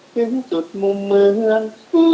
ถึงจุดมุมเมืองไม่ไกล